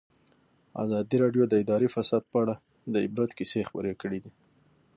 ازادي راډیو د اداري فساد په اړه د عبرت کیسې خبر کړي.